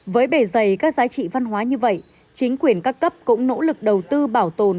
với bề dày các giá trị văn hóa như vậy chính quyền các cấp cũng nỗ lực đầu tư bảo tồn